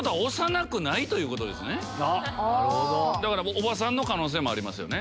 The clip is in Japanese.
おばさんの可能性もありますよね。